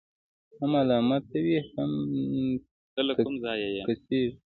هم ملامته وي، هم ټسکېږي.